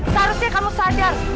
seharusnya kamu sadar